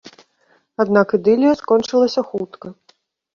Аднак ідылія скончылася хутка.